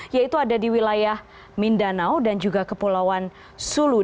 yaitu ada di wilayah mindanao dan juga kepulauan sulu